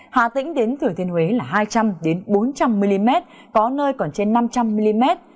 hà tĩnh đến thừa thiên huế là hai trăm linh bốn trăm linh mm có nơi còn trên năm trăm linh mm